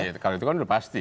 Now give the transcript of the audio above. iya kalau itu kan udah pasti